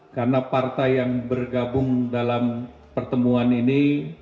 karena partai yang bergabung dalam pertemuan ini